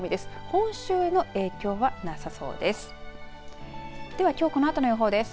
本州への影響はなさそうです。